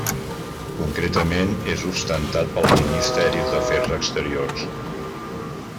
Concretament, és ostentat pels ministeris d'afers exteriors.